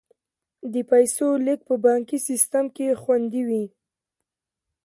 د پیسو لیږد په بانکي سیستم کې خوندي وي.